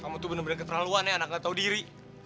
kamu tuh bener bener keterlaluan ya anak gak tau diri